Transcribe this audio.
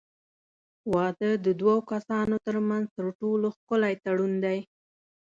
واده د دوو کسانو ترمنځ تر ټولو ښکلی تړون دی.